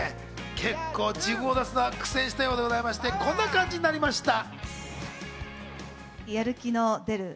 結構、自分を出すのは苦戦したようで、こんな感じになりました。